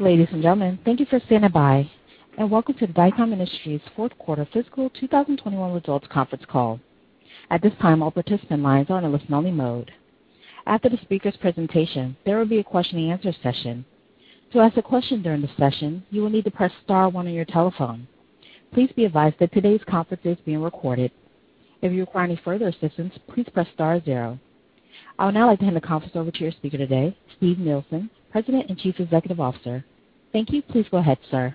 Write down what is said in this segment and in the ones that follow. Ladies and gentlemen, thank you for standing by and welcome to Dycom Industries' Fourth Quarter Fiscal 2021 Results Conference Call. At this time, all participant lines are in listen-only mode. After the speakers' presentation, there will be a question-and-answer session. To ask a question during the session, you will need to press star one on your telephone. Please be advised that today's conference is being recorded. If you require any further assistance, please press star zero. I would now like to hand the conference over to your speaker today, Steve Nielsen, President and Chief Executive Officer. Thank you. Please go ahead, sir.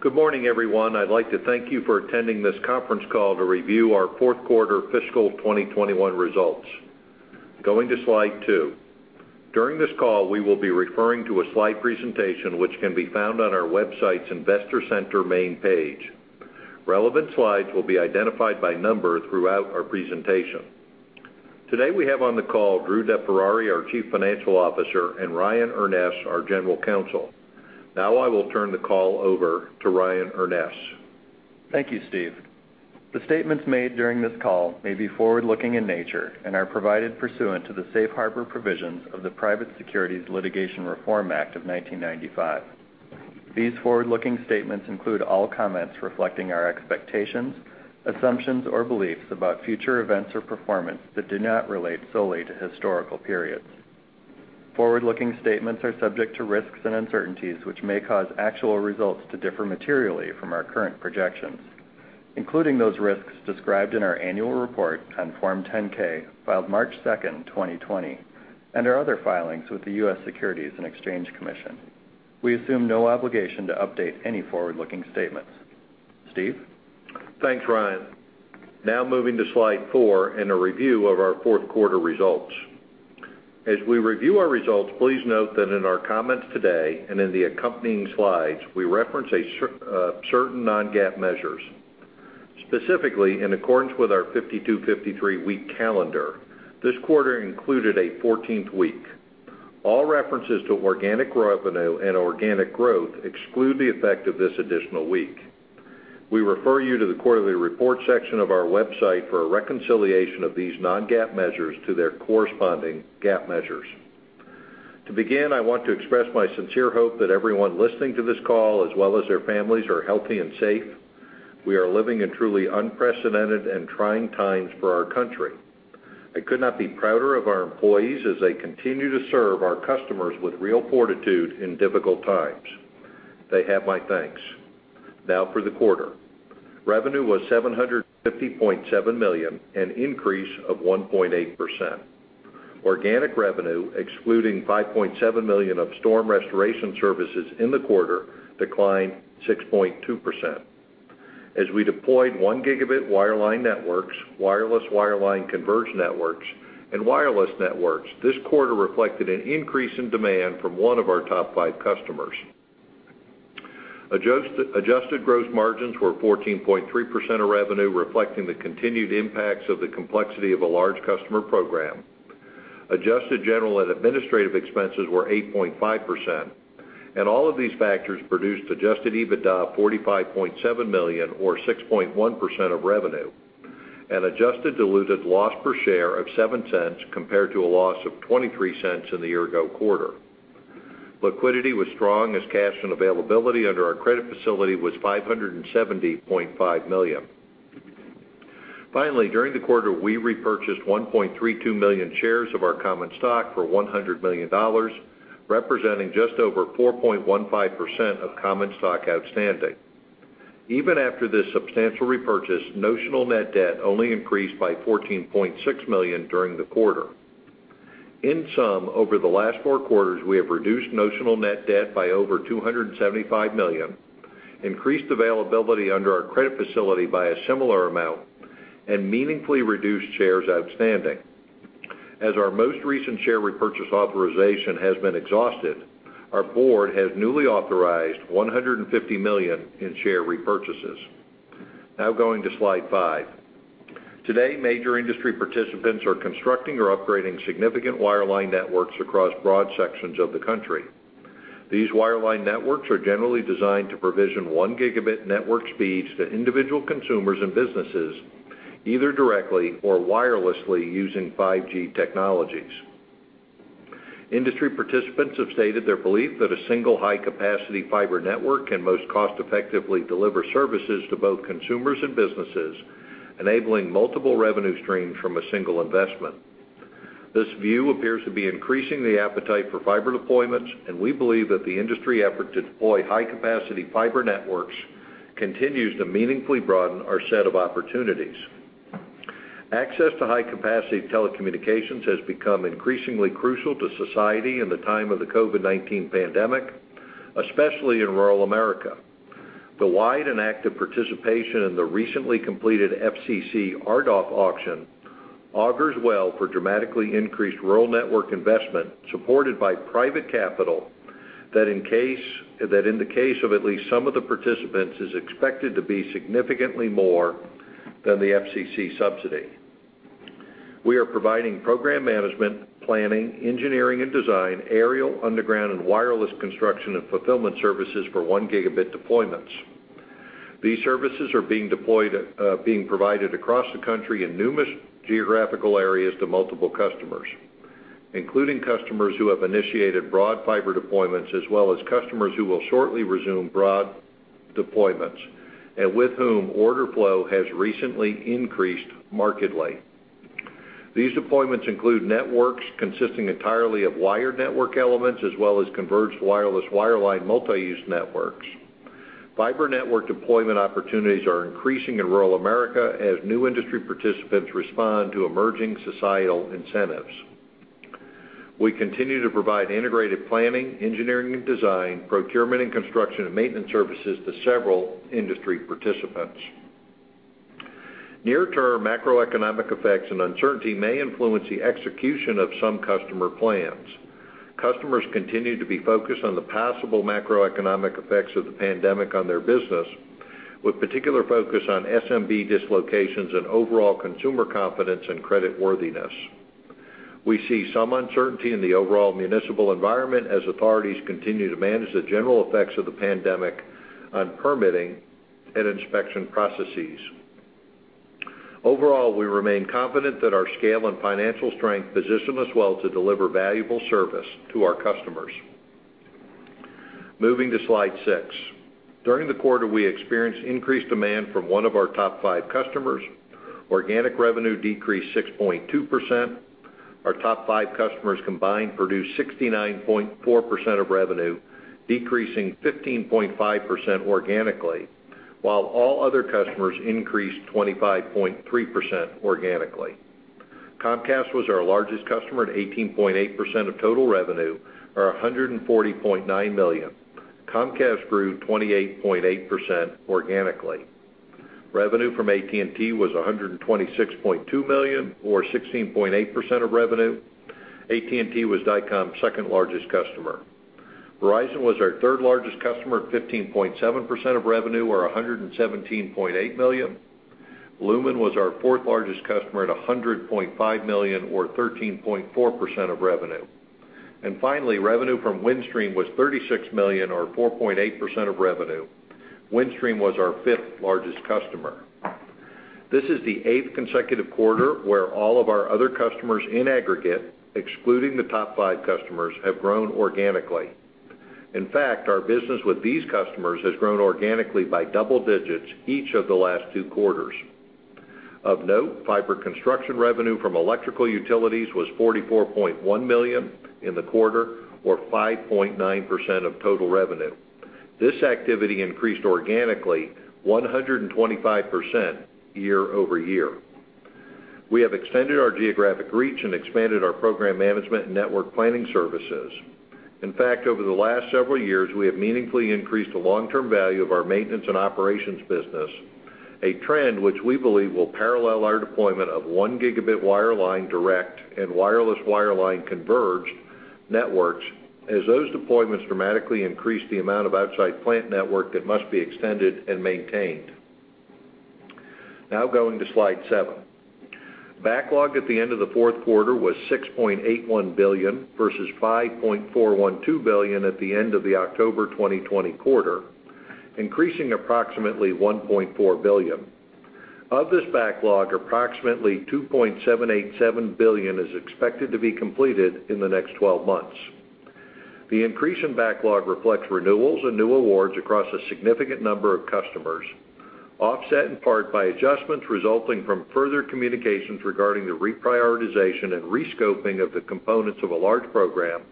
Good morning, everyone. I'd like to thank you for attending this conference call to review our fourth quarter fiscal 2021 results. Going to slide two. During this call, we will be referring to a slide presentation, which can be found on our website's investor center main page. Relevant slides will be identified by number throughout our presentation. Today, we have on the call Drew DeFerrari, our Chief Financial Officer, and Ryan Urness, our General Counsel. Now I will turn the call over to Ryan Urness. Thank you, Steve. The statements made during this call may be forward-looking in nature and are provided pursuant to the safe harbor provisions of the Private Securities Litigation Reform Act of 1995. These forward-looking statements include all comments reflecting our expectations, assumptions, or beliefs about future events or performance that do not relate solely to historical periods. Forward-looking statements are subject to risks and uncertainties, which may cause actual results to differ materially from our current projections, including those risks described in our annual report on Form 10-K filed March 2nd, 2020, and our other filings with the U.S. Securities and Exchange Commission. We assume no obligation to update any forward-looking statements. Steve? Thanks, Ryan. Moving to slide four and a review of our fourth quarter results. As we review our results, please note that in our comments today and in the accompanying slides, we reference certain non-GAAP measures. Specifically, in accordance with our 52, 53-week calendar, this quarter included a 14th week. All references to organic revenue and organic growth exclude the effect of this additional week. We refer you to the quarterly report section of our website for a reconciliation of these non-GAAP measures to their corresponding GAAP measures. To begin, I want to express my sincere hope that everyone listening to this call, as well as their families, are healthy and safe. We are living in truly unprecedented and trying times for our country. I could not be prouder of our employees as they continue to serve our customers with real fortitude in difficult times. They have my thanks. For the quarter, revenue was $750.7 million, an increase of 1.8%. Organic revenue, excluding $5.7 million of storm restoration services in the quarter, declined 6.2%. As we deployed 1 Gb wireline networks, wireless wireline converged networks, and wireless networks, this quarter reflected an increase in demand from one of our top five customers. Adjusted gross margins were 14.3% of revenue, reflecting the continued impacts of the complexity of a large customer program. Adjusted general and administrative expenses were 8.5%. All of these factors produced adjusted EBITDA $45.7 million or 6.1% of revenue and adjusted diluted loss per share of $0.07 compared to a loss of $0.23 in the year-ago quarter. Liquidity was strong as cash and availability under our credit facility was $570.5 million. Finally, during the quarter, we repurchased 1.32 million shares of our common stock for $100 million, representing just over 4.15% of common stock outstanding. Even after this substantial repurchase, notional net debt only increased by $14.6 million during the quarter. In sum, over the last four quarters, we have reduced notional net debt by over $275 million, increased availability under our credit facility by a similar amount, and meaningfully reduced shares outstanding. As our most recent share repurchase authorization has been exhausted, our board has newly authorized $150 million in share repurchases. Now going to slide five. Today, major industry participants are constructing or upgrading significant wireline networks across broad sections of the country. These wireline networks are generally designed to provision 1 Gb network speeds to individual consumers and businesses, either directly or wirelessly using 5G technologies. Industry participants have stated their belief that a single high-capacity fiber network can most cost-effectively deliver services to both consumers and businesses, enabling multiple revenue streams from a single investment. This view appears to be increasing the appetite for fiber deployments. We believe that the industry effort to deploy high-capacity fiber networks continues to meaningfully broaden our set of opportunities. Access to high-capacity telecommunications has become increasingly crucial to society in the time of the COVID-19 pandemic, especially in rural America. The wide and active participation in the recently completed FCC RDOF auction augurs well for dramatically increased rural network investment supported by private capital that in the case of at least some of the participants, is expected to be significantly more than the FCC subsidy. We are providing program management, planning, engineering and design, aerial, underground, and wireless construction and fulfillment services for 1 Gb deployments. These services are being provided across the country in numerous geographical areas to multiple customers, including customers who have initiated broad fiber deployments, as well as customers who will shortly resume broad deployments and with whom order flow has recently increased markedly. These deployments include networks consisting entirely of wired network elements, as well as converged wireless, wireline multi-use networks. Fiber network deployment opportunities are increasing in Rural America as new industry participants respond to emerging societal incentives. We continue to provide integrated planning, engineering and design, procurement and construction, and maintenance services to several industry participants. Near-term macroeconomic effects and uncertainty may influence the execution of some customer plans. Customers continue to be focused on the possible macroeconomic effects of the pandemic on their business, with particular focus on SMB dislocations and overall consumer confidence and creditworthiness. We see some uncertainty in the overall municipal environment as authorities continue to manage the general effects of the pandemic on permitting and inspection processes. Overall, we remain confident that our scale and financial strength position us well to deliver valuable service to our customers. Moving to Slide six. During the quarter, we experienced increased demand from one of our top five customers. Organic revenue decreased 6.2%. Our top five customers combined produced 69.4% of revenue, decreasing 15.5% organically, while all other customers increased 25.3% organically. Comcast was our largest customer at 18.8% of total revenue, or $140.9 million. Comcast grew 28.8% organically. Revenue from AT&T was $126.2 million, or 16.8% of revenue. AT&T was Dycom's second largest customer. Verizon was our third largest customer at 15.7% of revenue, or $117.8 million. Lumen was our fourth largest customer at $100.5 million, or 13.4% of revenue. Finally, revenue from Windstream was $36 million, or 4.8% of revenue. Windstream was our fifth largest customer. This is the eighth consecutive quarter where all of our other customers in aggregate, excluding the top five customers, have grown organically. In fact, our business with these customers has grown organically by double digits each of the last two quarters. Of note, fiber construction revenue from electrical utilities was $44.1 million in the quarter, or 5.9% of total revenue. This activity increased organically 125% year-over-year. We have extended our geographic reach and expanded our program management and network planning services. In fact, over the last several years, we have meaningfully increased the long-term value of our maintenance and operations business, a trend which we believe will parallel our deployment of 1 Gb wireline direct and wireless wireline converged networks as those deployments dramatically increase the amount of outside plant network that must be extended and maintained. Going to Slide seven. Backlog at the end of the fourth quarter was $6.81 billion, versus $5.412 billion at the end of the October 2020 quarter, increasing approximately $1.4 billion. Of this backlog, approximately $2.787 billion is expected to be completed in the next 12 months. The increase in backlog reflects renewals and new awards across a significant number of customers, offset in part by adjustments resulting from further communications regarding the reprioritization and rescoping of the components of a large program,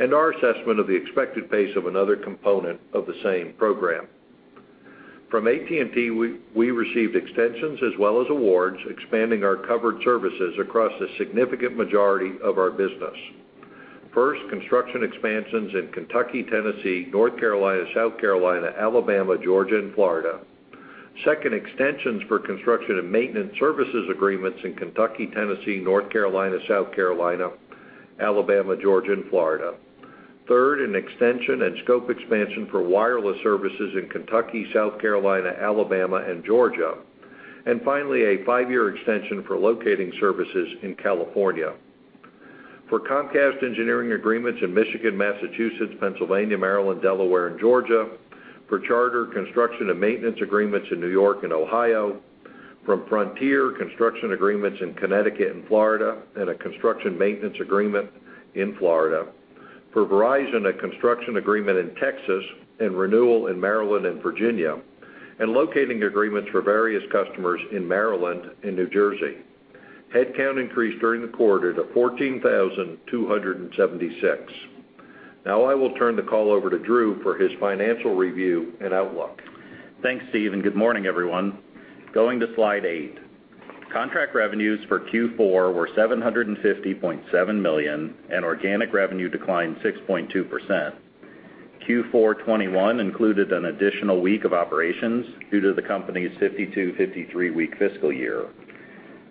and our assessment of the expected pace of another component of the same program. From AT&T, we received extensions as well as awards, expanding our covered services across a significant majority of our business. First, construction expansions in Kentucky, Tennessee, North Carolina, South Carolina, Alabama, Georgia, and Florida. Second, extensions for construction and maintenance services agreements in Kentucky, Tennessee, North Carolina, South Carolina, Alabama, Georgia, and Florida. Third, an extension and scope expansion for wireless services in Kentucky, South Carolina, Alabama, and Georgia. Finally, a five-year extension for locating services in California. For Comcast engineering agreements in Michigan, Massachusetts, Pennsylvania, Maryland, Delaware, and Georgia. For Charter construction and maintenance agreements in New York and Ohio. From Frontier construction agreements in Connecticut and Florida, and a construction maintenance agreement in Florida. For Verizon, a construction agreement in Texas, and renewal in Maryland and Virginia. Locating agreements for various customers in Maryland and New Jersey. Headcount increased during the quarter to 14,276. Now I will turn the call over to Drew for his financial review and outlook. Thanks, Steve, and good morning, everyone. Going to Slide eight. Contract revenues for Q4 were $750.7 million, and organic revenue declined 6.2%. Q4 2021 included an additional week of operations due to the company's 52, 53-week fiscal year.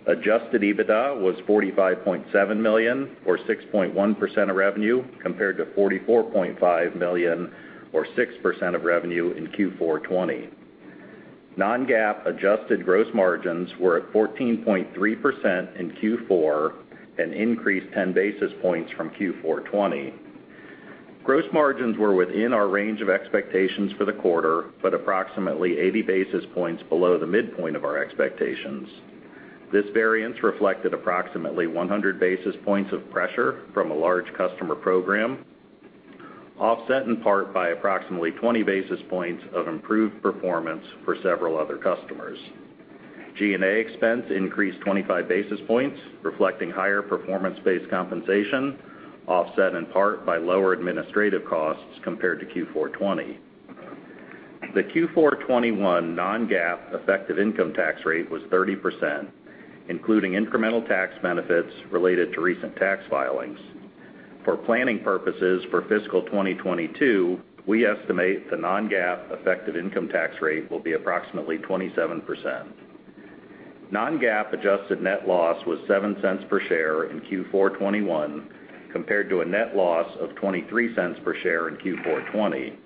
Adjusted EBITDA was $45.7 million, or 6.1% of revenue, compared to $44.5 million, or 6% of revenue in Q4 2020. Non-GAAP adjusted gross margins were at 14.3% in Q4 and increased 10 basis points from Q4 2020. Gross margins were within our range of expectations for the quarter, but approximately 80 basis points below the midpoint of our expectations. This variance reflected approximately 100 basis points of pressure from a large customer program, offset in part by approximately 20 basis points of improved performance for several other customers. G&A expense increased 25 basis points, reflecting higher performance-based compensation, offset in part by lower administrative costs compared to Q4 2020. The Q4 2021 non-GAAP effective income tax rate was 30%, including incremental tax benefits related to recent tax filings. For planning purposes for fiscal 2022, we estimate the non-GAAP effective income tax rate will be approximately 27%. Non-GAAP adjusted net loss was $0.07 per share in Q4 2021, compared to a net loss of $0.23 per share in Q4 2020.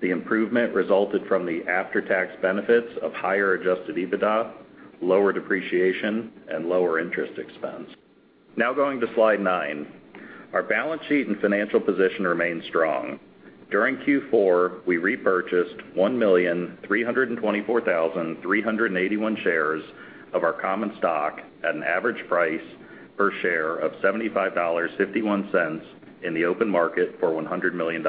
The improvement resulted from the after-tax benefits of higher adjusted EBITDA, lower depreciation, and lower interest expense. Now going to slide nine. Our balance sheet and financial position remain strong. During Q4, we repurchased 1,324,381 shares of our common stock at an average price per share of $75.51 in the open market for $100 million.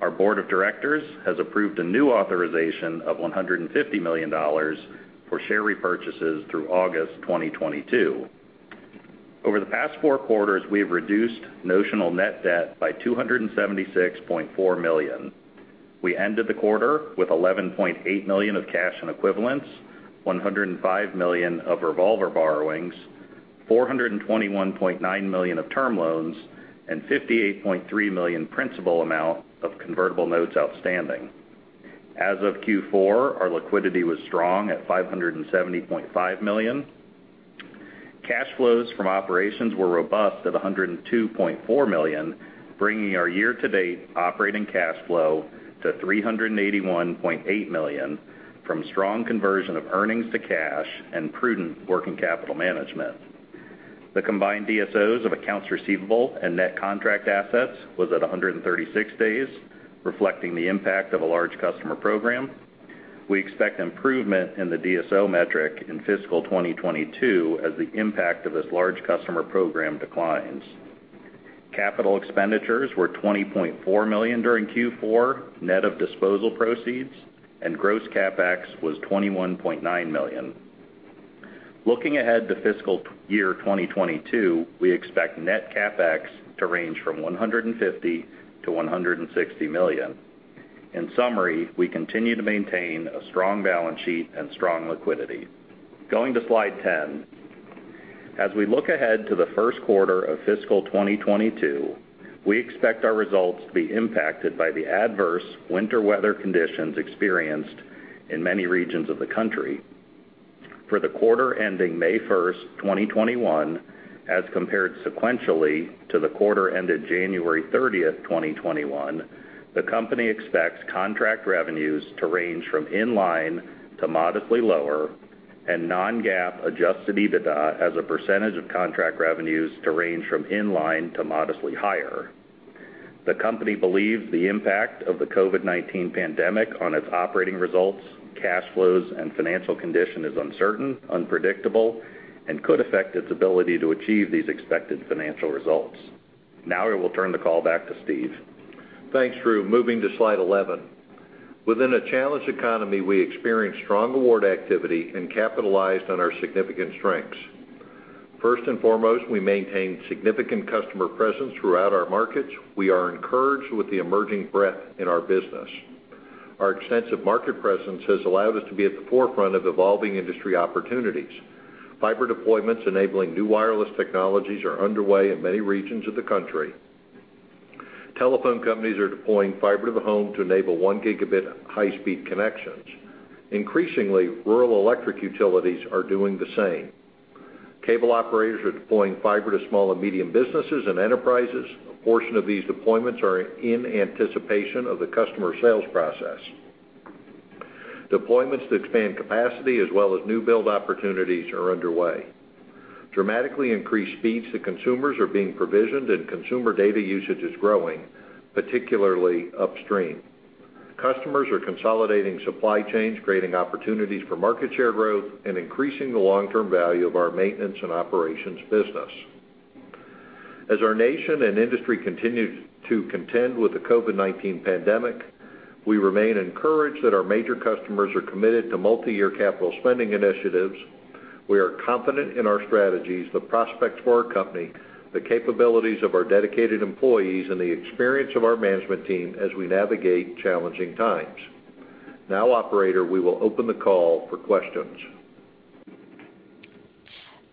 Our board of directors has approved a new authorization of $150 million for share repurchases through August 2022. Over the past four quarters, we have reduced notional net debt by $276.4 million. We ended the quarter with $11.8 million of cash and equivalents, $105 million of revolver borrowings, $421.9 million of term loans, and $58.3 million principal amount of convertible notes outstanding. As of Q4, our liquidity was strong at $570.5 million. Cash flows from operations were robust at $102.4 million, bringing our year-to-date operating cash flow to $381.8 million from strong conversion of earnings to cash and prudent working capital management. The combined DSOs of accounts receivable and net contract assets was at 136 days, reflecting the impact of a large customer program. We expect improvement in the DSO metric in fiscal 2022 as the impact of this large customer program declines. Capital expenditures were $20.4 million during Q4, net of disposal proceeds, and gross CapEx was $21.9 million. Looking ahead to fiscal year 2022, we expect net CapEx to range from $150 million to $160 million. In summary, we continue to maintain a strong balance sheet and strong liquidity. Going to slide 10. As we look ahead to the first quarter of fiscal 2022, we expect our results to be impacted by the adverse winter weather conditions experienced in many regions of the country. For the quarter ending May 1st, 2021, as compared sequentially to the quarter ended January 30th, 2021, the company expects contract revenues to range from in line to modestly lower and non-GAAP adjusted EBITDA as a percentage of contract revenues to range from in line to modestly higher. The company believes the impact of the COVID-19 pandemic on its operating results, cash flows, and financial condition is uncertain, unpredictable, and could affect its ability to achieve these expected financial results. Now I will turn the call back to Steve. Thanks, Drew. Moving to slide 11. Within a challenged economy, we experienced strong award activity and capitalized on our significant strengths. First and foremost, we maintained significant customer presence throughout our markets. We are encouraged with the emerging breadth in our business. Our extensive market presence has allowed us to be at the forefront of evolving industry opportunities. Fiber deployments enabling new wireless technologies are underway in many regions of the country. Telephone companies are deploying fiber to the home to enable 1 Gb high-speed connections. Increasingly, rural electric utilities are doing the same. Cable operators are deploying fiber to small and medium businesses and enterprises. A portion of these deployments are in anticipation of the customer sales process. Deployments that expand capacity as well as new build opportunities are underway. Dramatically increased speeds to consumers are being provisioned and consumer data usage is growing, particularly upstream. Customers are consolidating supply chains, creating opportunities for market share growth, and increasing the long-term value of our maintenance and operations business. As our nation and industry continue to contend with the COVID-19 pandemic, we remain encouraged that our major customers are committed to multi-year capital spending initiatives. We are confident in our strategies, the prospects for our company, the capabilities of our dedicated employees, and the experience of our management team as we navigate challenging times. Now, operator, we will open the call for questions.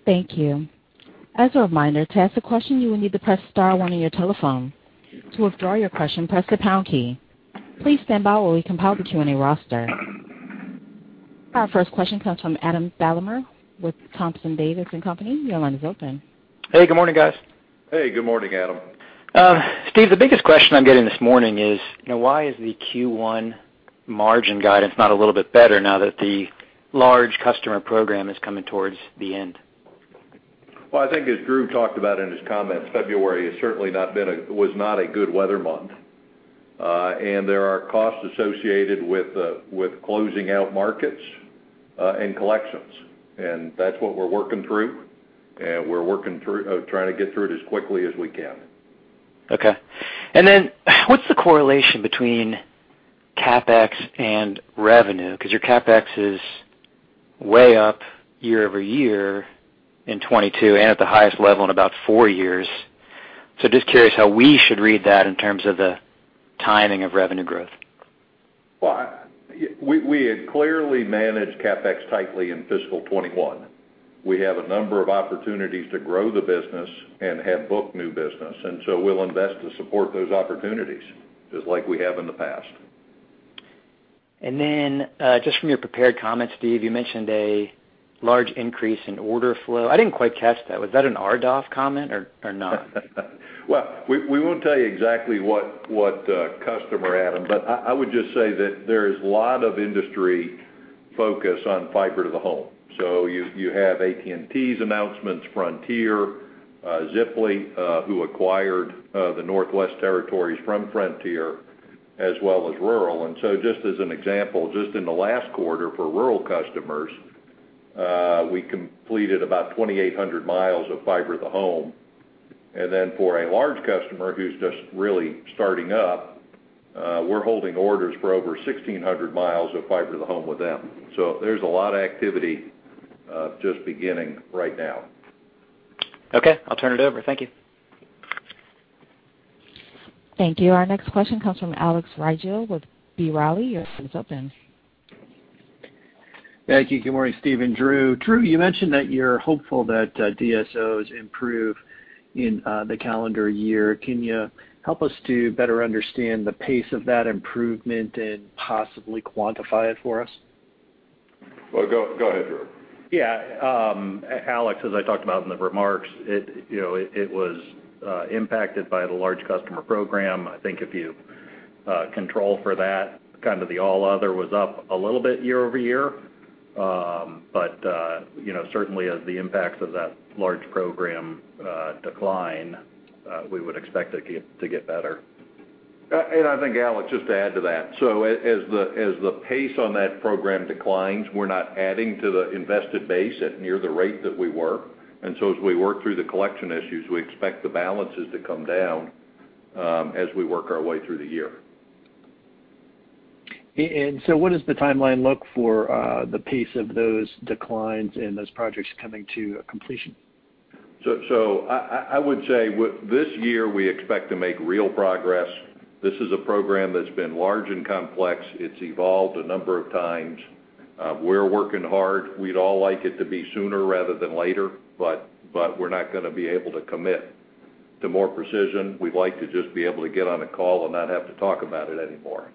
Thank you. As a reminder, to ask a question, you will need to press star one on your telephone. To withdraw your question, press the pound key. Please stand by while we compile the Q&A roster. Our first question comes from Adam Thalhimer with Thompson Davis & Company. Your line is open. Hey, good morning, guys. Hey, good morning, Adam. Steve, the biggest question I'm getting this morning is, why is the Q1 margin guidance not a little bit better now that the large customer program is coming towards the end? Well, I think as Drew talked about in his comments, February was certainly not a good weather month. There are costs associated with closing out markets and collections, and that's what we're working through. We're trying to get through it as quickly as we can. Okay. What's the correlation between CapEx and revenue? Your CapEx is way up year-over-year in 2022, and at the highest level in about four years. Just curious how we should read that in terms of the timing of revenue growth. Well, we had clearly managed CapEx tightly in fiscal 2021. We have a number of opportunities to grow the business and have booked new business. We'll invest to support those opportunities, just like we have in the past. Just from your prepared comments, Steve, you mentioned a large increase in order flow. I didn't quite catch that. Was that an RDOF comment or not? We won't tell you exactly what customer, Adam, but I would just say that there is a lot of industry focus on fiber to the home. You have AT&T's announcements, Frontier, Ziply, who acquired the Northwest Territories from Frontier, as well as rural. Just as an example, just in the last quarter for rural customers, we completed about 2,800 mi of fiber to the home. For a large customer who's just really starting up, we're holding orders for over 1,600 mi of fiber to the home with them. There's a lot of activity just beginning right now. Okay. I'll turn it over. Thank you. Thank you. Our next question comes from Alex Rygiel with B. Riley. Your line is open. Thank you. Good morning, Steve and Drew. Drew, you mentioned that you're hopeful that DSO improve in the calendar year. Can you help us to better understand the pace of that improvement and possibly quantify it for us? Well, go ahead, Drew. Yeah. Alex, as I talked about in the remarks, it was impacted by the large customer program. I think if you control for that, the all other was up a little bit year-over-year. Certainly as the impacts of that large program decline, we would expect it to get better. I think, Alex, just to add to that, so as the pace on that program declines, we're not adding to the invested base at near the rate that we were. As we work through the collection issues, we expect the balances to come down as we work our way through the year. What does the timeline look for the pace of those declines and those projects coming to completion? I would say this year, we expect to make real progress. This is a program that's been large and complex. It's evolved a number of times. We're working hard. We'd all like it to be sooner rather than later, but we're not going to be able to commit to more precision. We'd like to just be able to get on a call and not have to talk about it anymore.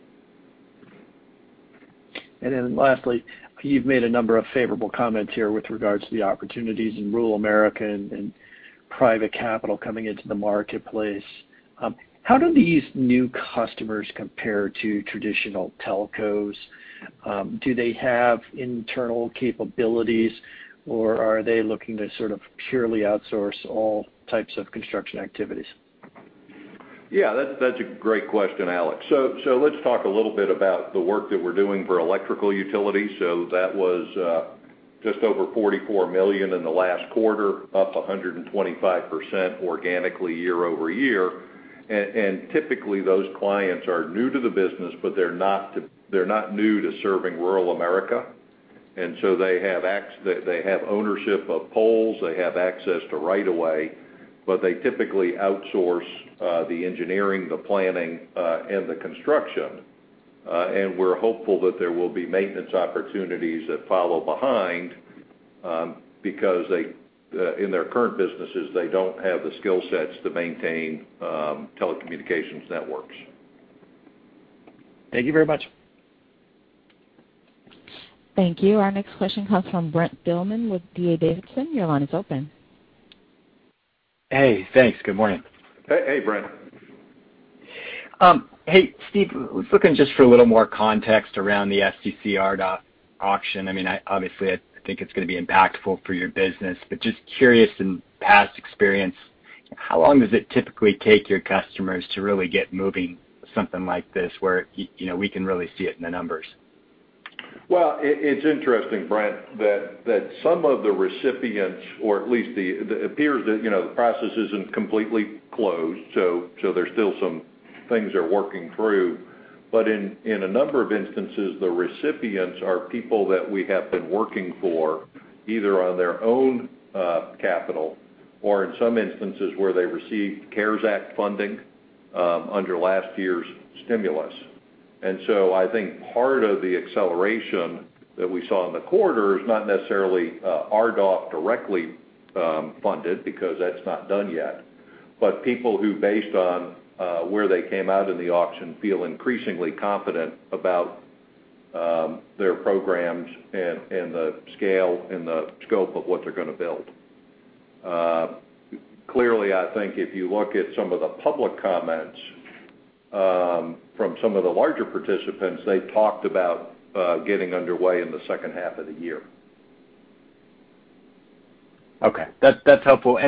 Lastly, you've made a number of favorable comments here with regards to the opportunities in rural America and private capital coming into the marketplace. How do these new customers compare to traditional telcos? Do they have internal capabilities, or are they looking to sort of purely outsource all types of construction activities? Yeah, that's a great question, Alex. Let's talk a little bit about the work that we're doing for electrical utilities. That was just over $44 million in the last quarter, up 125% organically year-over-year. Typically, those clients are new to the business, but they're not new to serving rural America. They have ownership of poles, they have access to right of way, but they typically outsource the engineering, the planning, and the construction. We're hopeful that there will be maintenance opportunities that follow behind, because in their current businesses, they don't have the skill sets to maintain telecommunications networks. Thank you very much. Thank you. Our next question comes from Brent Thielman with D.A. Davidson. Your line is open. Hey, thanks. Good morning. Hey, Brent. Hey, Steve, was looking just for a little more context around the FCC RDOF auction. I mean, obviously, I think it's going to be impactful for your business, but just curious, in past experience, how long does it typically take your customers to really get moving something like this where we can really see it in the numbers? Well, it's interesting, Brent, that some of the recipients, or at least it appears that the process isn't completely closed, so there's still some things they're working through. In a number of instances, the recipients are people that we have been working for, either on their own capital or in some instances, where they received CARES Act funding under last year's stimulus. I think part of the acceleration that we saw in the quarter is not necessarily RDOF directly funded, because that's not done yet. People who, based on where they came out in the auction, feel increasingly confident about their programs and the scale and the scope of what they're going to build. Clearly, I think if you look at some of the public comments from some of the larger participants, they talked about getting underway in the second half of the year. Okay. That's helpful.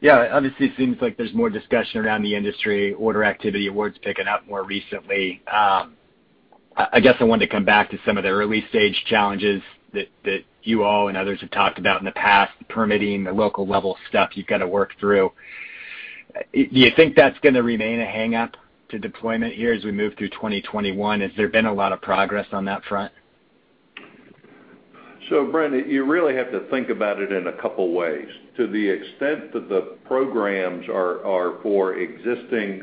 Yeah, obviously it seems like there's more discussion around the industry, order activity awards picking up more recently. I guess I wanted to come back to some of the early-stage challenges that you all and others have talked about in the past, permitting the local level stuff you've got to work through. Do you think that's going to remain a hang-up to deployment here as we move through 2021? Has there been a lot of progress on that front? Brent, you really have to think about it in a couple ways. To the extent that the programs are for existing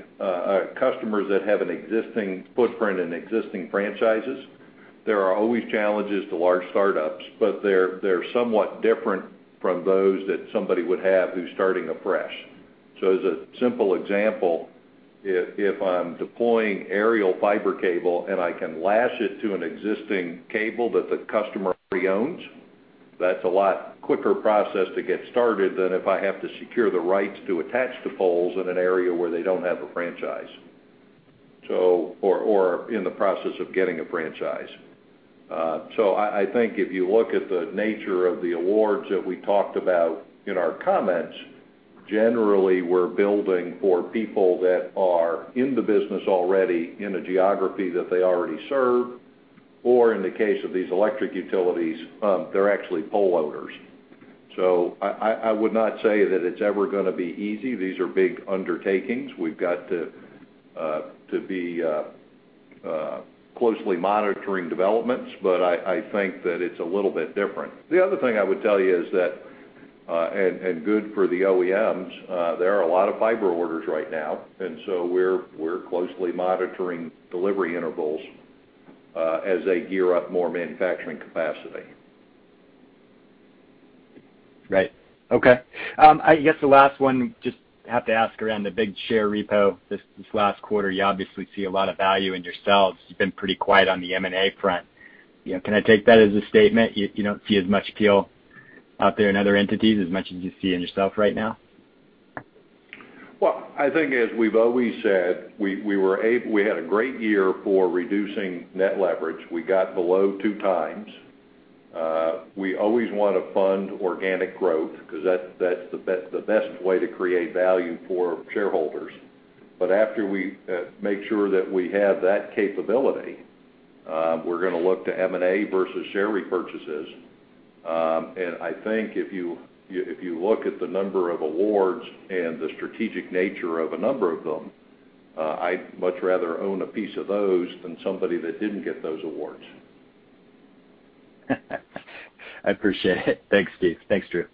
customers that have an existing footprint and existing franchises, there are always challenges to large startups, but they're somewhat different from those that somebody would have who's starting afresh. As a simple example, if I'm deploying aerial fiber cable and I can lash it to an existing cable that the customer already owns, that's a lot quicker process to get started than if I have to secure the rights to attach the poles in an area where they don't have a franchise, or are in the process of getting a franchise. I think if you look at the nature of the awards that we talked about in our comments, generally we're building for people that are in the business already in a geography that they already serve, or in the case of these electric utilities, they're actually pole owners. I would not say that it's ever going to be easy. These are big undertakings. We've got to be closely monitoring developments, but I think that it's a little bit different. The other thing I would tell you is that, and good for the OEMs, there are a lot of fiber orders right now, and so we're closely monitoring delivery intervals, as they gear up more manufacturing capacity. Right. Okay. I guess the last one, just have to ask around the big share repo this last quarter. You obviously see a lot of value in yourselves. You've been pretty quiet on the M&A front. Can I take that as a statement, you don't see as much appeal out there in other entities, as much as you see in yourself right now? Well, I think as we've always said, we had a great year for reducing net leverage. We got below 2x. We always want to fund organic growth because that's the best way to create value for shareholders. After we make sure that we have that capability, we're going to look to M&A versus share repurchases. I think if you look at the number of awards and the strategic nature of a number of them, I'd much rather own a piece of those than somebody that didn't get those awards. I appreciate it. Thanks, Steve. Thanks, Drew.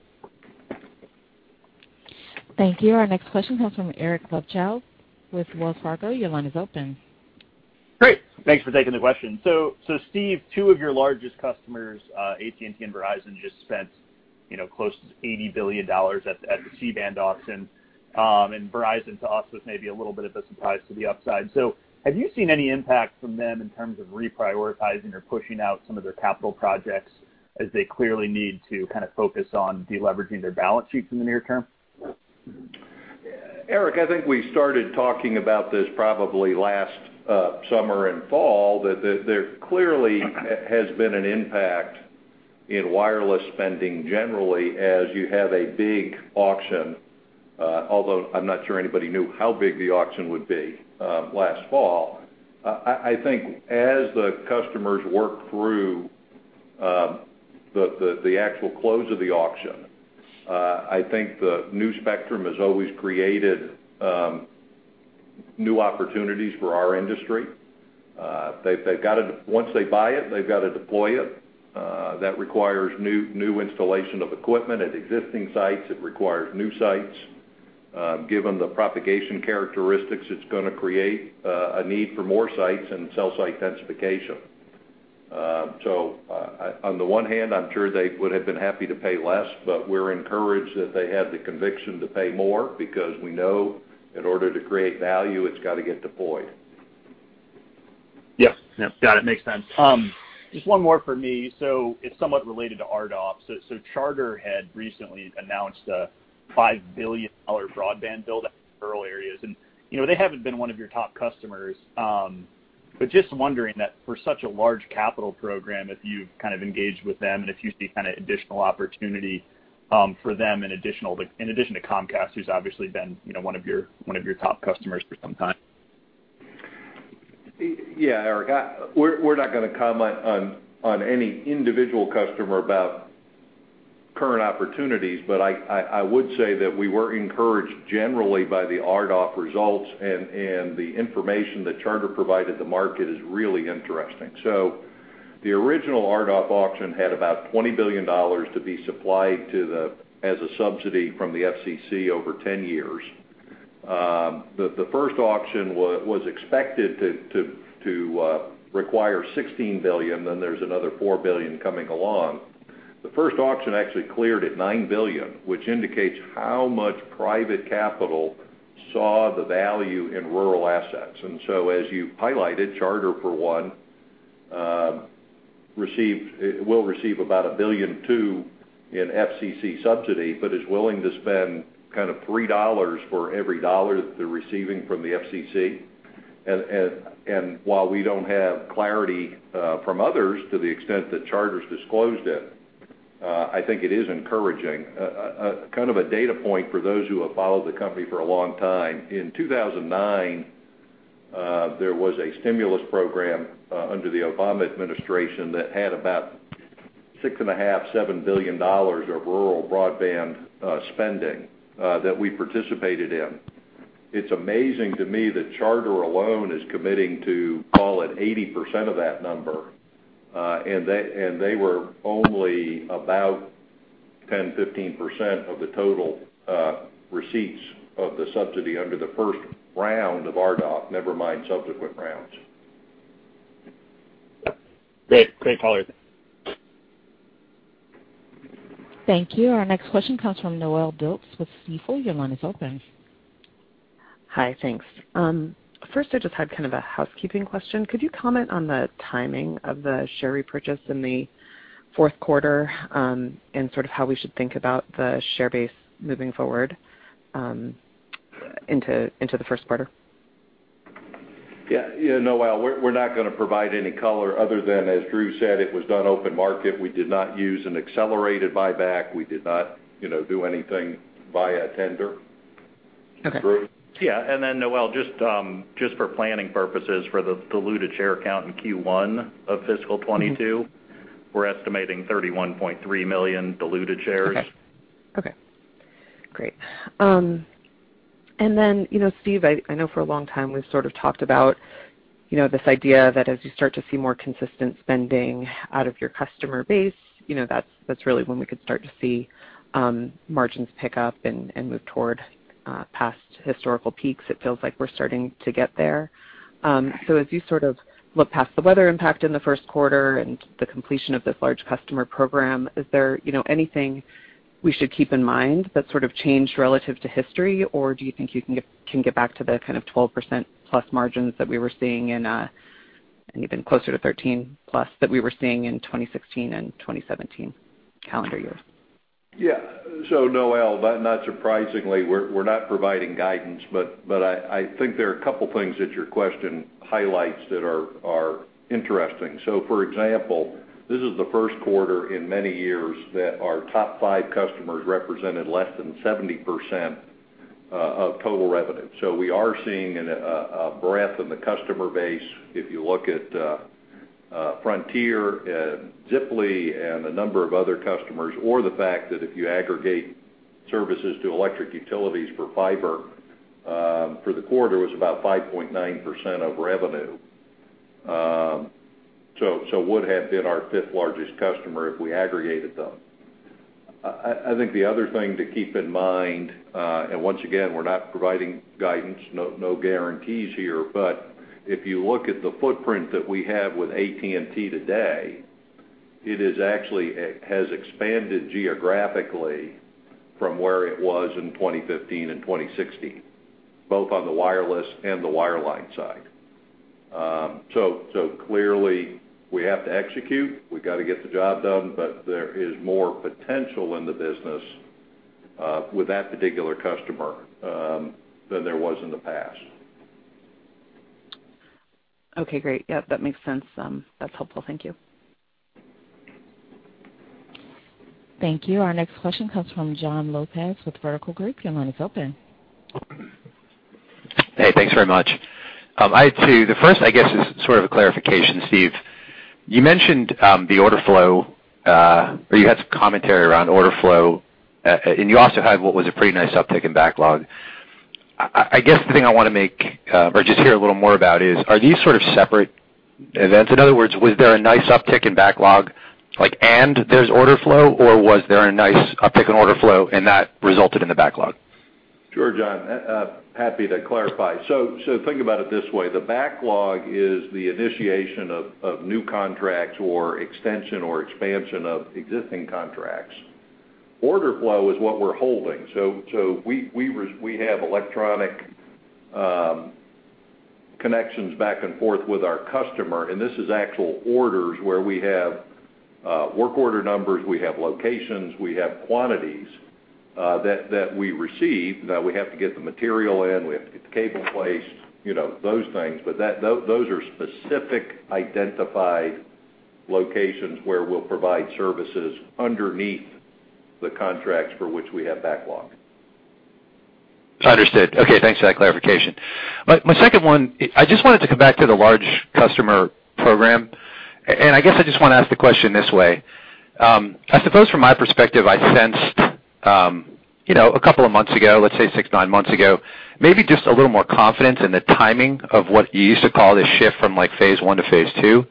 Thank you. Our next question comes from Eric Luebchow with Wells Fargo. Your line is open. Great. Thanks for taking the question. Steve, two of your largest customers, AT&T and Verizon, just spent close to $80 billion at the C-band auction. Verizon to us was maybe a little bit of a surprise to the upside. Have you seen any impact from them in terms of reprioritizing or pushing out some of their capital projects as they clearly need to kind of focus on de-leveraging their balance sheets in the near term? Eric, I think we started talking about this probably last summer and fall, that there clearly has been an impact in wireless spending generally as you have a big auction, although I'm not sure anybody knew how big the auction would be last fall. I think as the customers work through the actual close of the auction, I think the new spectrum has always created new opportunities for our industry. Once they buy it, they've got to deploy it. That requires new installation of equipment at existing sites. It requires new sites. Given the propagation characteristics, it's going to create a need for more sites and cell site densification. On the one hand, I'm sure they would have been happy to pay less, but we're encouraged that they have the conviction to pay more because we know in order to create value, it's got to get deployed. Yes. Got it. Makes sense. Just one more for me. It's somewhat related to RDOF. Charter had recently announced a $5 billion broadband build out in rural areas, and they haven't been one of your top customers. Just wondering that for such a large capital program, if you've kind of engaged with them and if you see kind of additional opportunity for them in addition to Comcast, who's obviously been one of your top customers for some time. Eric. We're not going to comment on any individual customer about current opportunities, I would say that we were encouraged generally by the RDOF results, the information that Charter provided the market is really interesting. The original RDOF auction had about $20 billion to be supplied as a subsidy from the FCC over 10 years. The first auction was expected to require $16 billion, there's another $4 billion coming along. The first auction actually cleared at $9 billion, which indicates how much private capital saw the value in rural assets. As you highlighted, Charter for one, will receive about $1.2 billion in FCC subsidy, is willing to spend kind of $3 for every dollar that they're receiving from the FCC. While we don't have clarity from others to the extent that Charter's disclosed it, I think it is encouraging. Kind of a data point for those who have followed the company for a long time. In 2009, there was a stimulus program under the Obama administration that had about $6.5 billion, $7 billion of rural broadband spending that we participated in. It's amazing to me that Charter alone is committing to call it 80% of that number, and they were only about 10%, 15% of the total receipts of the subsidy under the first round of RDOF, never mind subsequent rounds. Great. Great color. Thank you. Our next question comes from Noelle Dilts with Stifel. Your line is open. Hi. Thanks. I just had kind of a housekeeping question. Could you comment on the timing of the share repurchase in the fourth quarter, and sort of how we should think about the share base moving forward into the first quarter? Yeah. Noelle, we're not going to provide any color other than, as Drew said, it was done open market. We did not use an accelerated buyback. We did not do anything via tender. Okay. Drew? Yeah. Noelle, just for planning purposes for the diluted share count in Q1 of fiscal 2022 we're estimating 31.3 million diluted shares. Okay. Great. Steve, I know for a long time we've sort of talked about this idea that as you start to see more consistent spending out of your customer base, that's really when we could start to see margins pick up and move toward past historical peaks. It feels like we're starting to get there. Right. As you sort of look past the weather impact in the first quarter and the completion of this large customer program, is there anything we should keep in mind that sort of changed relative to history, or do you think you can get back to the kind of 12%+ margins that we were seeing in, and even closer to 13%+, that we were seeing in 2016 and 2017 calendar years? Yeah. Noelle, not surprisingly, we're not providing guidance, but I think there are a couple things that your question highlights that are interesting. For example, this is the first quarter in many years that our top five customers represented less than 70% of total revenue. If you look at Frontier, Ziply, and a number of other customers, or the fact that if you aggregate services to electric utilities for fiber, for the quarter it was about 5.9% of revenue, so would have been our fifth largest customer if we aggregated them. I think the other thing to keep in mind, once again, we're not providing guidance, no guarantees here, if you look at the footprint that we have with AT&T today, it actually has expanded geographically from where it was in 2015 and 2016, both on the wireless and the wireline side. Clearly we have to execute, we've got to get the job done, there is more potential in the business with that particular customer than there was in the past. Okay, great. Yep, that makes sense. That's helpful. Thank you. Thank you. Our next question comes from John Lopez with Vertical Group. Your line is open. Hey, thanks very much. The first, I guess, is sort of a clarification, Steve. You mentioned the order flow, or you had some commentary around order flow, and you also had what was a pretty nice uptick in backlog. I guess the thing I want to make, or just hear a little more about is, are these sort of separate events? In other words, was there a nice uptick in backlog and there's order flow, or was there a nice uptick in order flow and that resulted in the backlog? Sure, John. Happy to clarify. Think about it this way. The backlog is the initiation of new contracts or extension or expansion of existing contracts. Order flow is what we're holding. We have electronic connections back and forth with our customer, and this is actual orders where we have work order numbers, we have locations, we have quantities that we receive, that we have to get the material in, we have to get the cable placed, those things. Those are specific identified locations where we'll provide services underneath the contracts for which we have backlog. Understood. Okay, thanks for that clarification. My second one, I just wanted to come back to the large customer program, and I guess I just want to ask the question this way. I suppose from my perspective, I sensed, a couple of months ago, let's say six, nine months ago, maybe just a little more confidence in the timing of what you used to call the shift from phase I to phase II.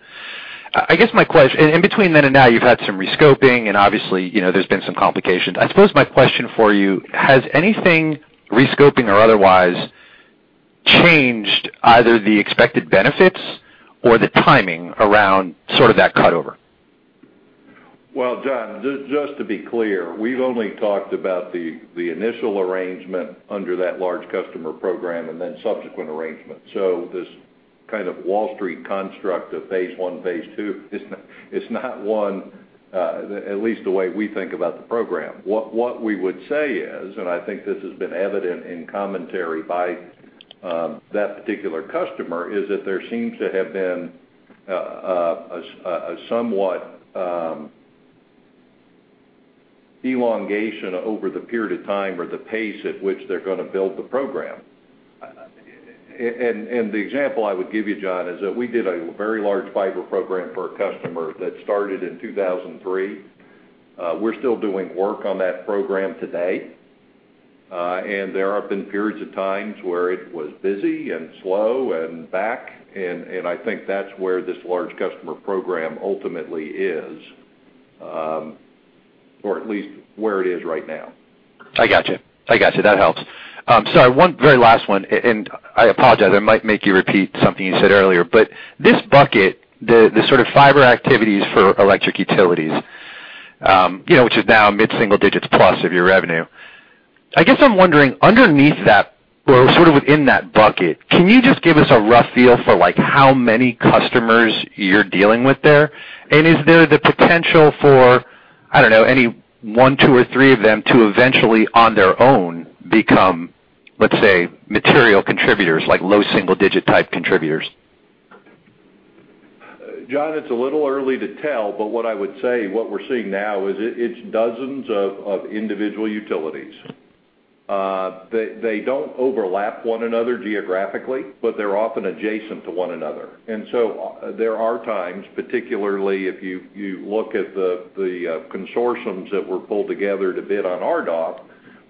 In between then and now, you've had some rescoping and obviously there's been some complications. I suppose my question for you, has anything, rescoping or otherwise, changed either the expected benefits or the timing around sort of that cut over? Well, John, just to be clear, we've only talked about the initial arrangement under that large customer program and then subsequent arrangements. This kind of Wall Street construct of phase I, phase II is not one, at least the way we think about the program. What we would say is, and I think this has been evident in commentary by that particular customer, is that there seems to have been a somewhat elongation over the period of time or the pace at which they're going to build the program. The example I would give you, John, is that we did a very large fiber program for a customer that started in 2003. We're still doing work on that program today. There have been periods of times where it was busy and slow and back, and I think that's where this large customer program ultimately is, or at least where it is right now. I got you. That helps. Sorry, one very last one. I apologize, I might make you repeat something you said earlier, but this bucket, the sort of fiber activities for electric utilities, which is now mid-single digits plus of your revenue. I guess I'm wondering, underneath that, or sort of within that bucket, can you just give us a rough feel for how many customers you're dealing with there? Is there the potential for, I don't know, any one, two, or three of them to eventually, on their own, become, let's say, material contributors, like low single digit type contributors? John, it's a little early to tell, but what I would say, what we're seeing now is it's dozens of individual utilities. They don't overlap one another geographically, but they're often adjacent to one another. There are times, particularly if you look at the consortiums that were pulled together to bid on RDOF,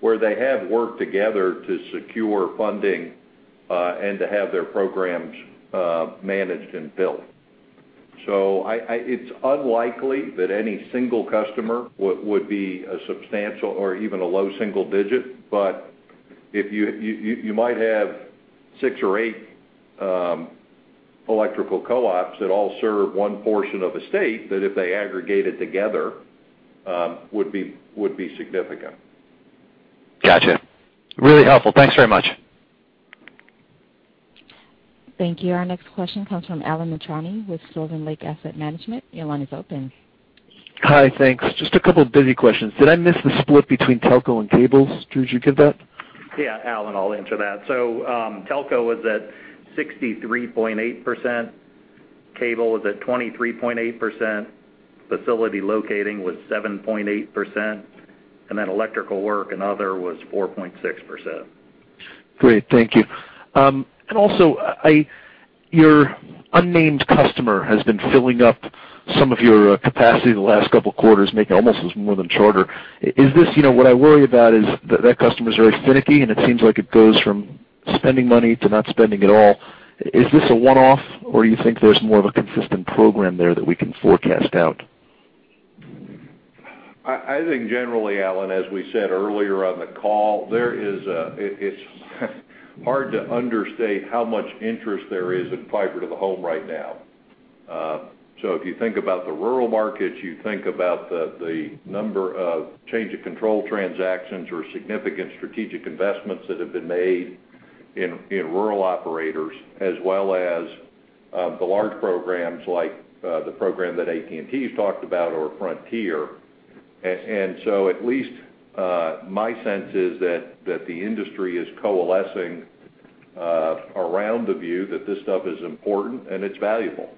where they have worked together to secure funding, and to have their programs managed and built. It's unlikely that any single customer would be a substantial or even a low single digit, but you might have six or eight electrical co-ops that all serve one portion of a state that if they aggregated together, would be significant. Got you. Really helpful. Thanks very much. Thank you. Our next question comes from Alan Mitrani with Sylvan Lake Asset Management. Your line is open. Hi, thanks. Just a couple busy questions. Did I miss the split between telco and cables? Did you give that? Yeah, Alan, I'll answer that. Telco was at 63.8%, cable was at 23.8%, facility locating was 7.8%, electrical work and other was 4.6%. Great. Thank you. Also, your unnamed customer has been filling up some of your capacity the last couple of quarters, making almost as more than Charter. What I worry about is that customer's very finicky, and it seems like it goes from spending money to not spending at all. Is this a one-off, or you think there's more of a consistent program there that we can forecast out? I think generally, Alan, as we said earlier on the call, it's hard to understate how much interest there is in fiber to the home right now. If you think about the rural markets, you think about the number of change of control transactions or significant strategic investments that have been made in rural operators, as well as the large programs like the program that AT&T's talked about or Frontier. At least my sense is that the industry is coalescing around the view that this stuff is important and it's valuable.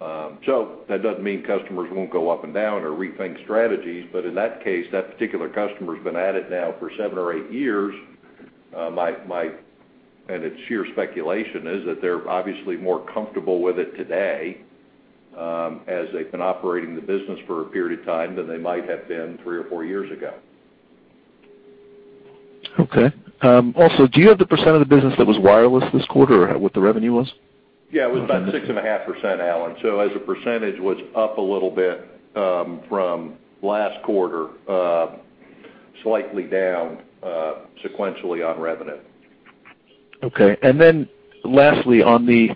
That doesn't mean customers won't go up and down or rethink strategies, but in that case, that particular customer's been at it now for seven or eight years. My, it's sheer speculation, is that they're obviously more comfortable with it today, as they've been operating the business for a period of time than they might have been three or four years ago. Okay. Do you have the percentage of the business that was wireless this quarter, what the revenue was? Yeah, it was about 6.5%, Alan. As a percentage, was up a little bit, from last quarter, slightly down, sequentially on revenue. Okay. Lastly, on the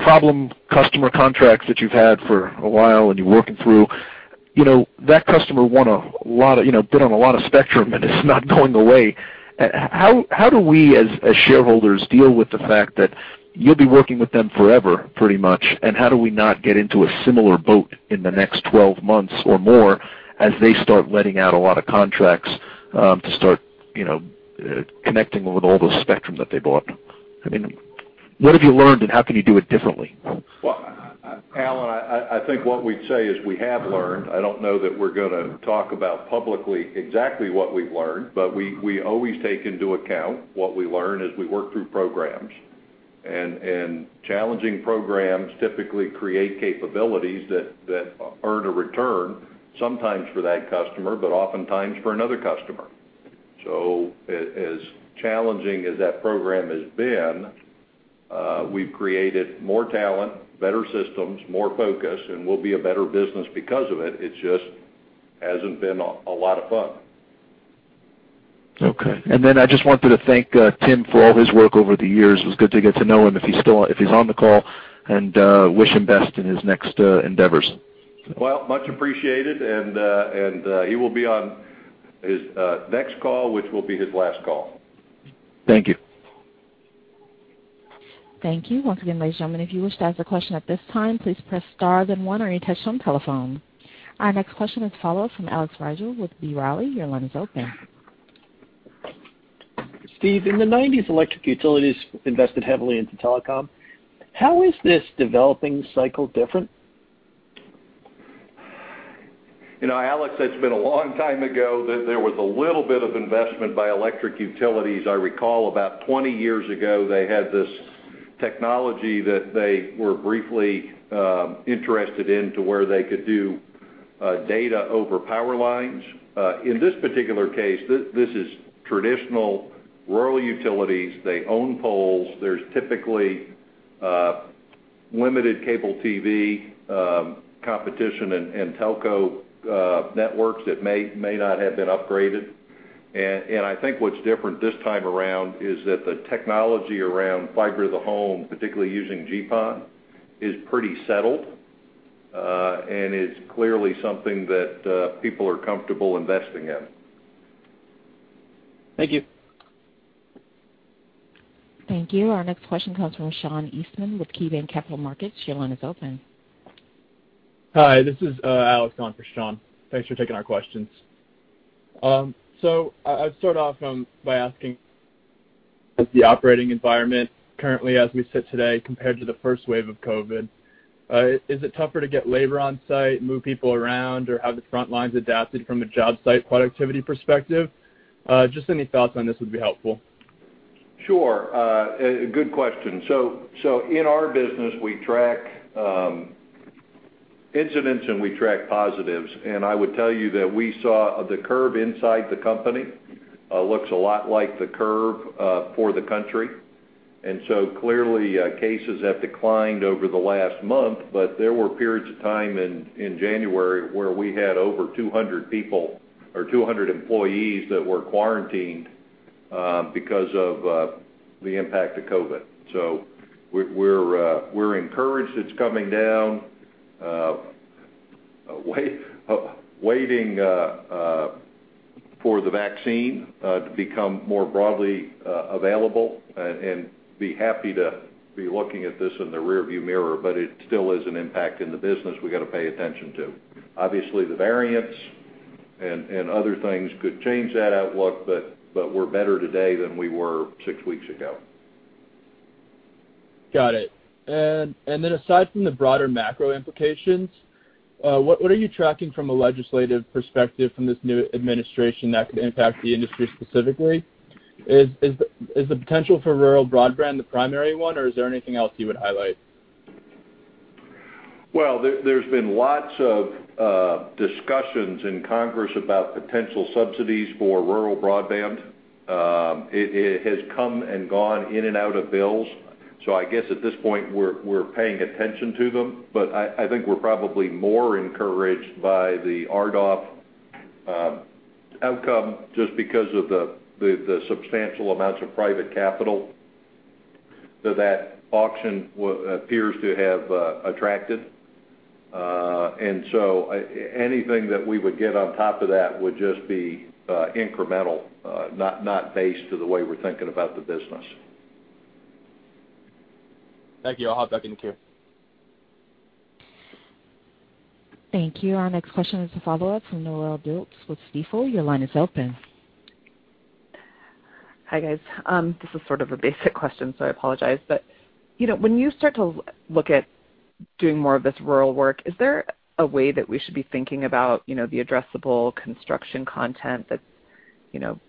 problem customer contracts that you've had for a while and you're working through, that customer won a lot of, been on a lot of spectrum, and it's not going away. How do we as shareholders deal with the fact that you'll be working with them forever pretty much, and how do we not get into a similar boat in the next 12 months or more as they start letting out a lot of contracts to start connecting with all the spectrum that they bought? I mean, what have you learned and how can you do it differently? Well, Alan, I think what we'd say is we have learned. I don't know that we're going to talk about publicly exactly what we've learned, but we always take into account what we learn as we work through programs. Challenging programs typically create capabilities that earn a return, sometimes for that customer, but oftentimes for another customer. As challenging as that program has been, we've created more talent, better systems, more focus, and we'll be a better business because of it. It just hasn't been a lot of fun. Okay. I just wanted to thank Tim for all his work over the years. It was good to get to know him, if he's on the call, and wish him best in his next endeavors. Well, much appreciated, and he will be on this next call, which will be his last call. Thank you. Thank you. Once again, ladies and gentlemen, if you wish to ask a question at this time, please press star then one on your touch-tone telephone. Our next question is follow up from Alex Rygiel with B. Riley, your line is open. Steve, in the '90s, electric utilities invested heavily into telecom. How is this developing cycle different? Alex, it's been a long time ago that there was a little bit of investment by electric utilities. I recall about 20 years ago, they had this technology that they were briefly interested in to where they could do data over power lines. In this particular case, this is traditional rural utilities. They own poles. There's typically limited cable TV competition and telco networks that may not have been upgraded. I think what's different this time around is that the technology around fiber to the home, particularly using GPON, is pretty settled, and is clearly something that people are comfortable investing in. Thank you. Thank you. Our next question comes from Sean Eastman with KeyBanc Capital Markets. Your line is open. Hi, this is Alex on for Sean. Thanks for taking our questions. I'll start off by asking, with the operating environment currently as we sit today compared to the first wave of COVID-19, is it tougher to get labor on site, move people around, or have the front lines adapted from a job site productivity perspective? Just any thoughts on this would be helpful. Sure. Good question. In our business, we track incidents, and we track positives. I would tell you that we saw the curve inside the company looks a lot like the curve for the country. Clearly, cases have declined over the last month, but there were periods of time in January where we had over 200 people or 200 employees that were quarantined because of the impact of COVID. We're encouraged it's coming down. We're waiting for the vaccine to become more broadly available and be happy to be looking at this in the rearview mirror. It still is an impact in the business we got to pay attention to. Obviously, the variants and other things could change that outlook, but we're better today than we were six weeks ago. Got it. Aside from the broader macro implications, what are you tracking from a legislative perspective from this new administration that could impact the industry specifically? Is the potential for rural broadband the primary one, or is there anything else you would highlight? Well, there's been lots of discussions in Congress about potential subsidies for rural broadband. It has come and gone in and out of bills. I guess at this point, we're paying attention to them, but I think we're probably more encouraged by the RDOF outcome just because of the substantial amounts of private capital that that auction appears to have attracted. Anything that we would get on top of that would just be incremental, not based to the way we're thinking about the business. Thank you. I'll hop back in the queue. Thank you. Our next question is a follow-up from Noelle Dilts with Stifel. Your line is open. Hi, guys. This is sort of a basic question, so I apologize. When you start to look at doing more of this rural work, is there a way that we should be thinking about the addressable construction content that's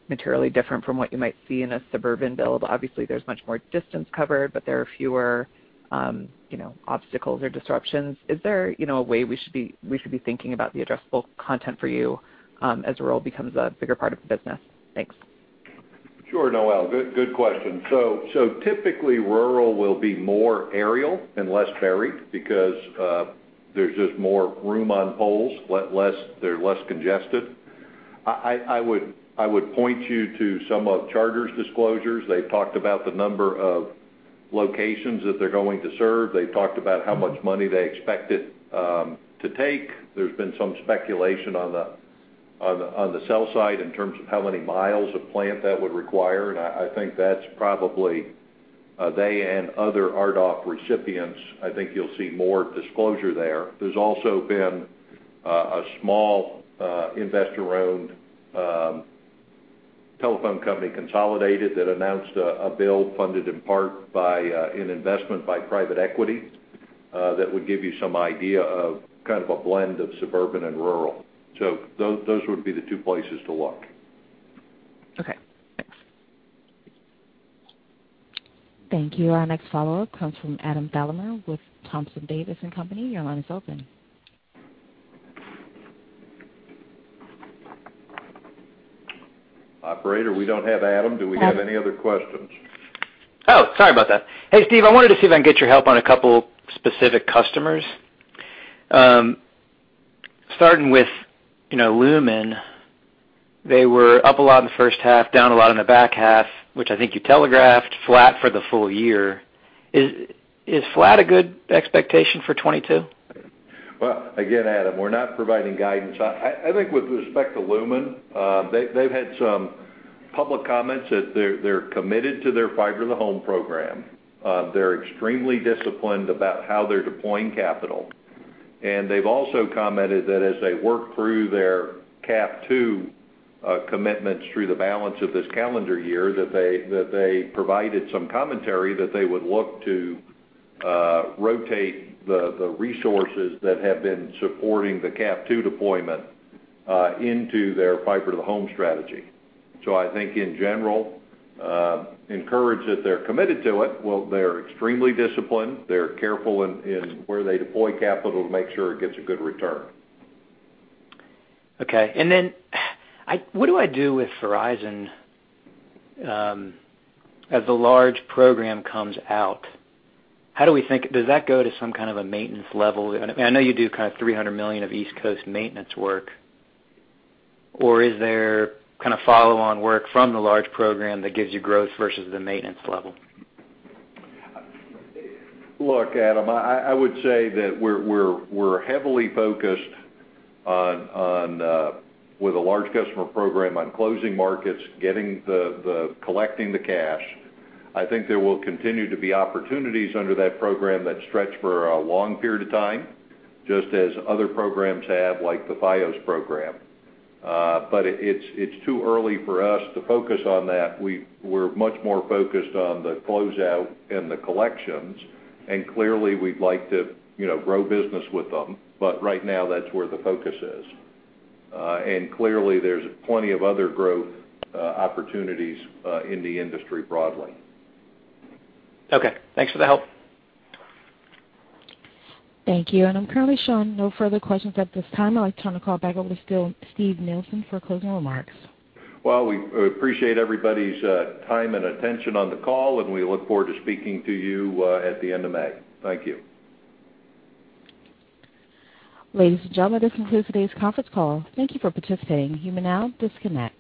materially different from what you might see in a suburban build? Obviously, there's much more distance covered, but there are fewer obstacles or disruptions. Is there a way we should be thinking about the addressable content for you as rural becomes a bigger part of the business? Thanks. Sure, Noelle. Good question. Typically, rural will be more aerial and less buried because there's just more room on poles. They're less congested. I would point you to some of Charter's disclosures. They talked about the number of locations that they're going to serve. They talked about how much money they expect it to take. There's been some speculation on the sell side in terms of how many miles of plant that would require, and I think that's probably they and other RDOF recipients. I think you'll see more disclosure there. There's also been a small investor-owned telephone company Consolidated that announced a build funded in part by an investment by private equity. That would give you some idea of kind of a blend of suburban and rural. Those would be the two places to look. Okay, thanks. Thank you. Our next follow-up comes from Adam Thalhimer with Thompson Davis & Company. Your line is open. Operator, we don't have Adam. Do we have any other questions? Sorry about that. Hey, Steve, I wanted to see if I can get your help on a couple specific customers. Starting with Lumen. They were up a lot in the first half, down a lot in the back half, which I think you telegraphed flat for the full year. Is flat a good expectation for 2022? Again, Adam, we're not providing guidance. I think with respect to Lumen, they've had some public comments that they're committed to their fiber to the home program. They're extremely disciplined about how they're deploying capital, and they've also commented that as they work through their CAF II commitments through the balance of this calendar year, that they provided some commentary that they would look to rotate the resources that have been supporting the CAF II deployment into their fiber to the home strategy. I think in general, encouraged that they're committed to it. They're extremely disciplined. They're careful in where they deploy capital to make sure it gets a good return. Okay. What do I do with Verizon as the large program comes out? How do we think? Does that go to some kind of a maintenance level? I know you do kind of $300 million of East Coast maintenance work. Is there kind of follow on work from the large program that gives you growth versus the maintenance level? Look, Adam, I would say that we're heavily focused with a large customer program on closing markets, collecting the cash. I think there will continue to be opportunities under that program that stretch for a long period of time, just as other programs have, like the Fios program. It's too early for us to focus on that. We're much more focused on the closeout and the collections, and clearly we'd like to grow business with them. Right now, that's where the focus is. Clearly there's plenty of other growth opportunities in the industry broadly. Okay. Thanks for the help. Thank you. I'm currently showing no further questions at this time. I'd like to turn the call back over to Steve Nielsen for closing remarks. We appreciate everybody's time and attention on the call, and we look forward to speaking to you at the end of May. Thank you. Ladies and gentlemen, this concludes today's conference call. Thank you for participating. You may now disconnect.